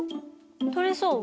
とれそう？